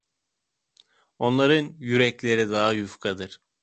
Onların yürekleri daha yufkadır.